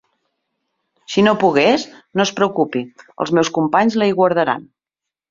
Si no pogués, no es preocupi, els meus companys la hi guardaran.